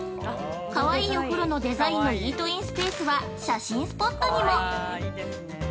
かわいいお風呂のデザインのイートインスペースは写真スポットにも！